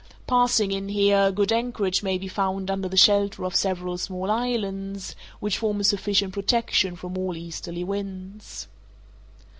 Passing in here, good anchorage may be found under the shelter of several small islands, which form a sufficient protection from all easterly winds.